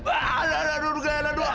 aduh aduh aduh kayal aduh